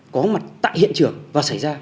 có mặt tại hiện trường và xảy ra